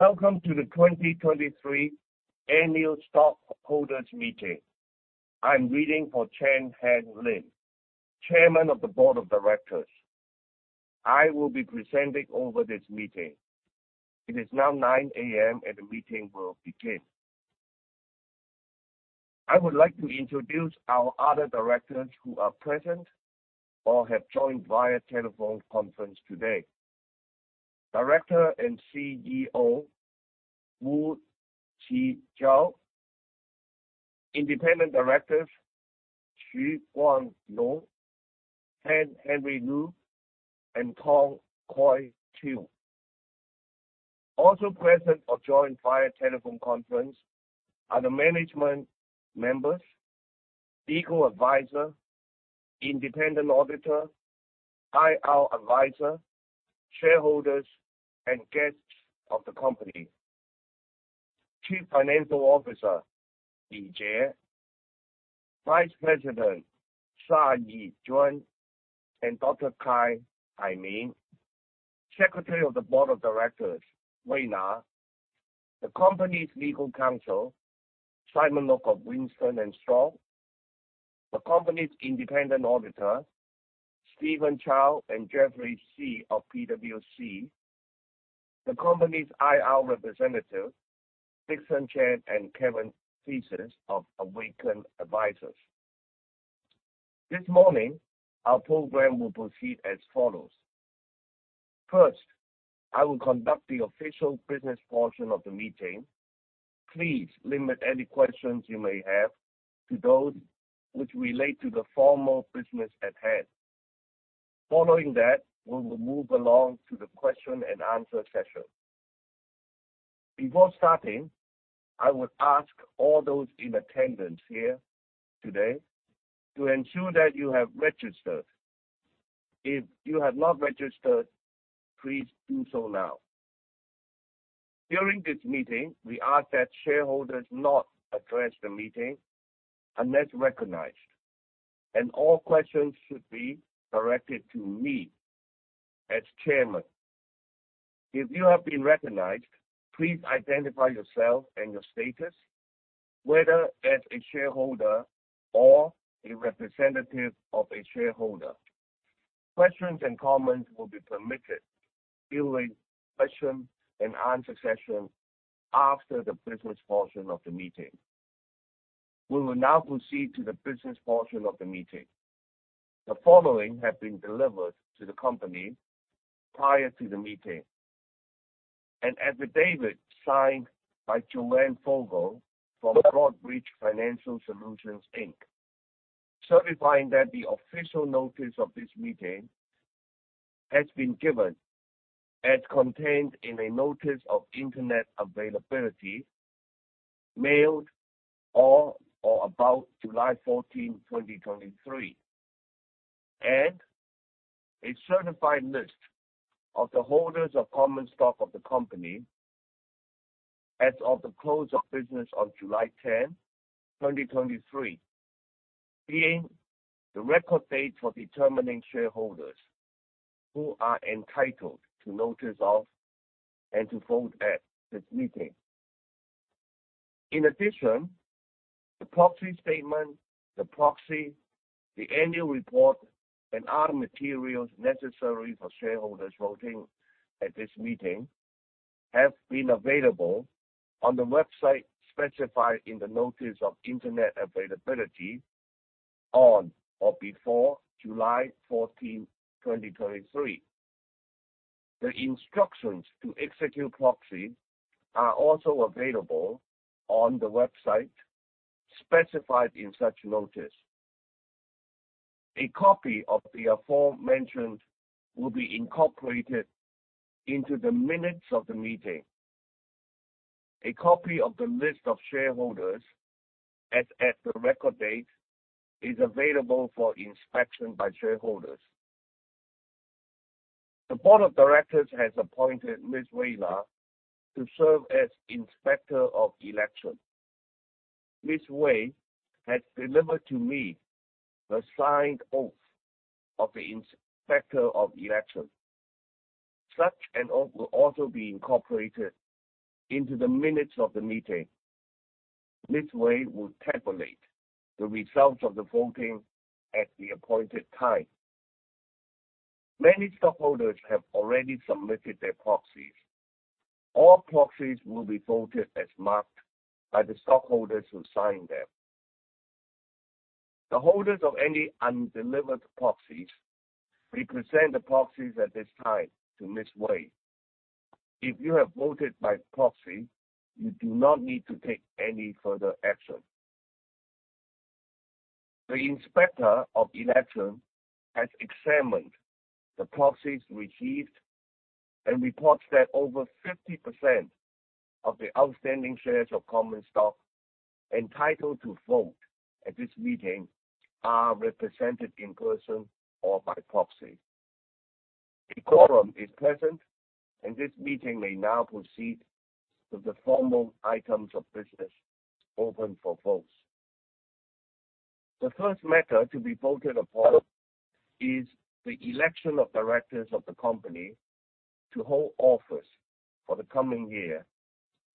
Welcome to the 2023 Annual Stockholders Meeting. I'm reading for Chen Hanlin, Chairman of the Board of Directors. I will be presenting over this meeting. It is now 9 A.M., and the meeting will begin. I would like to introduce our other directors who are present or have joined via telephone conference today. Director and CEO, Wu Qijiao. Independent Directors, Xu Guangzhou, Tan Hengli, and Tong Guiqiu. Also present or joined via telephone conference are the management members, legal advisor, independent auditor, IR advisor, shareholders, and guests of the company. Chief Financial Officer, Li Jie. Vice President, Sa Yijuan and Dr. Gai Aimin. Secretary of the Board of Directors, Wei Na. The company's legal counsel, Simon Luk of Winston & Strawn. The company's independent auditor, Steven Chao and Jeffrey C. of PwC. The company's IR representative, Dixon Chen and Kevin Theiss of The Piacente Group. This morning, our program will proceed as follows: First, I will conduct the official business portion of the meeting. Please limit any questions you may have to those which relate to the formal business at hand. Following that, we will move along to the question and answer session. Before starting, I would ask all those in attendance here today to ensure that you have registered. If you have not registered, please do so now. During this meeting, we ask that shareholders not address the meeting unless recognized, and all questions should be directed to me as chairman. If you have been recognized, please identify yourself and your status, whether as a shareholder or a representative of a shareholder. Questions and comments will be permitted during the question and answer session after the business portion of the meeting. We will now proceed to the business portion of the meeting. The following have been delivered to the company prior to the meeting: An affidavit signed by Joanna Fogel from Broadridge Financial Solutions, Inc., certifying that the official notice of this meeting has been given as contained in a Notice of Internet Availability, mailed on or about July 14th, 2023. A certified list of the holders of common stock of the company as of the close of business on July 10th, 2023, being the record date for determining shareholders who are entitled to notice of, and to vote at this meeting. In addition, the proxy statement, the proxy, the annual report, and other materials necessary for shareholders voting at this meeting have been available on the website specified in the Notice of Internet Availability on or before July 14th, 2023. The instructions to execute proxy are also available on the website specified in such notice. A copy of the aforementioned will be incorporated into the minutes of the meeting. A copy of the list of shareholders as at the record date is available for inspection by shareholders. The board of directors has appointed Ms. Wei Na to serve as Inspector of Election. Ms. Wei has delivered to me the signed oath of the Inspector of Election. Such an oath will also be incorporated into the minutes of the meeting. Ms. Wei will tabulate the results of the voting at the appointed time. Many stockholders have already submitted their proxies. All proxies will be voted as marked by the stockholders who signed them. The holders of any undelivered proxies may present the proxies at this time to Ms. Wei. If you have voted by proxy, you do not need to take any further action. The Inspector of Election has examined the proxies received and reports that over 50% of the outstanding shares of common stock entitled to vote at this meeting are represented in person or by proxy. A quorum is present, and this meeting may now proceed to the formal items of business open for votes. The first matter to be voted upon is the election of directors of the company to hold office for the coming year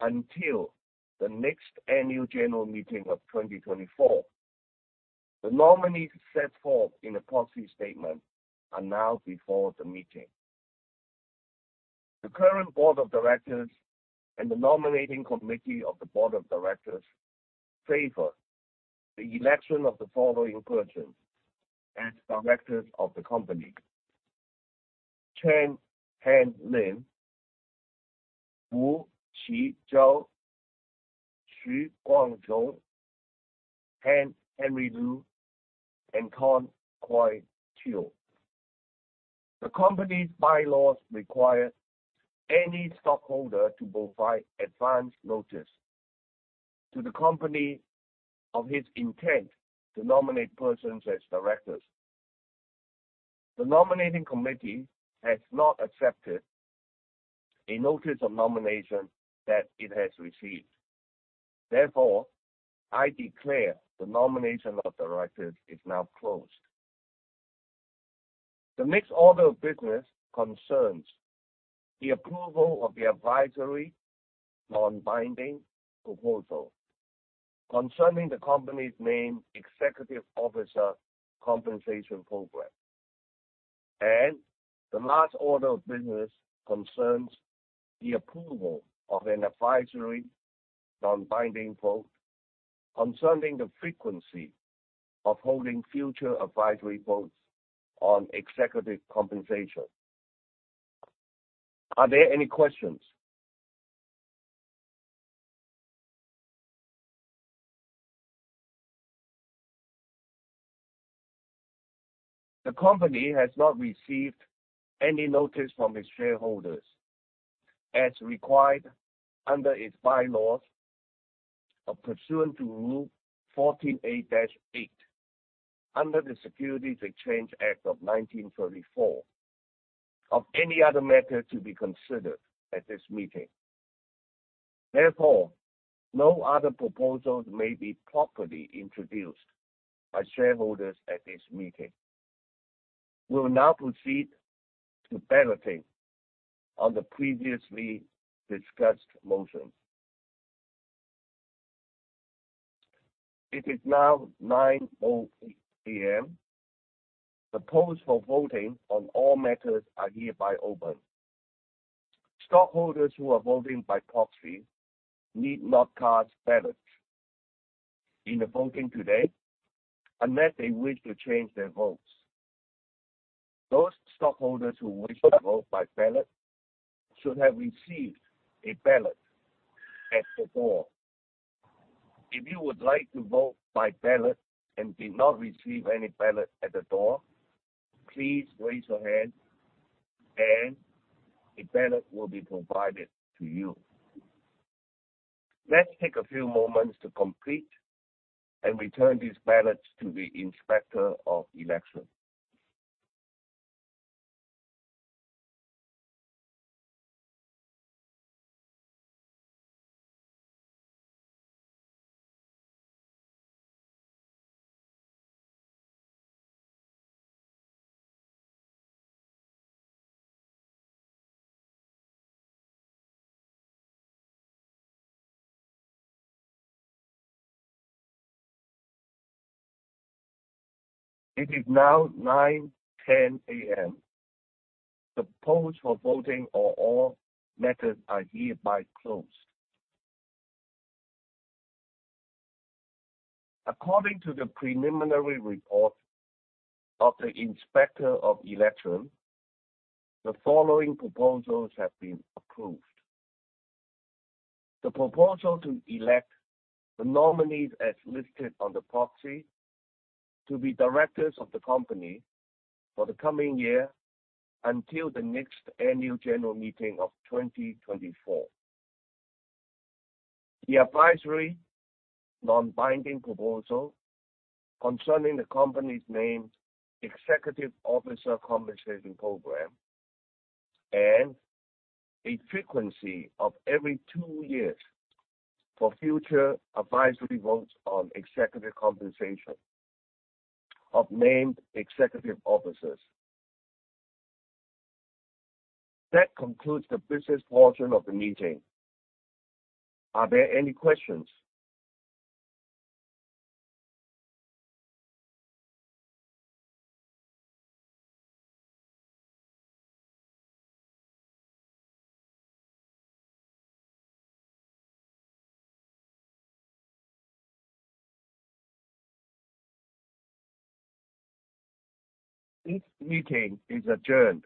until the next annual general meeting of 2024. The nominees set forth in the proxy statement are now before the meeting. The current board of directors and the nominating committee of the board of directors favor the election of the following persons as directors of the company: Chen Hanlin, Wu Qijiao, Xu Guangzhou, Tan Hengli, and Tong Guiqiu. The company's bylaws require any stockholder to provide advance notice to the company of his intent to nominate persons as directors. The nominating committee has not accepted a notice of nomination that it has received. Therefore, I declare the nomination of directors is now closed. The next order of business concerns the approval of the advisory, non-binding proposal concerning the company's Named Executive Officer Compensation Program. The last order of business concerns the approval of an advisory, non-binding vote concerning the frequency of holding future advisory votes on executive compensation. Are there any questions? The company has not received any notice from its shareholders, as required under its bylaws or pursuant to Rule 14a-8 under the Securities Exchange Act of 1934, of any other matter to be considered at this meeting. Therefore, no other proposals may be properly introduced by shareholders at this meeting. We will now proceed to balloting on the previously discussed motions. It is now 9:00 A.M. The polls for voting on all matters are hereby open. Stockholders who are voting by proxy need not cast ballots in the voting today, unless they wish to change their votes. Those stockholders who wish to vote by ballot should have received a ballot at the door. If you would like to vote by ballot and did not receive any ballot at the door, please raise your hand and a ballot will be provided to you. Let's take a few moments to complete and return these ballots to the Inspector of Election. It is now 9:10 A.M. The polls for voting on all matters are hereby closed. According to the preliminary report of the Inspector of Election, the following proposals have been approved. The proposal to elect the nominees as listed on the proxy to be directors of the company for the coming year until the next annual general meeting of 2024. The advisory, non-binding proposal concerning the company's Named Executive Officer Compensation Program, and a frequency of every two years for future advisory votes on executive compensation of named executive officers. That concludes the business portion of the meeting. Are there any questions? This meeting is adjourned.